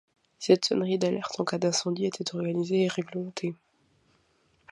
Cette sonnerie d’alerte en cas d’incendie était organisée et réglementée.